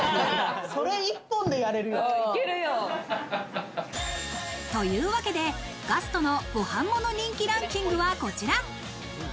それ１本でやれるよ。というわけで、ガストのご飯もの人気ランキングはこちら。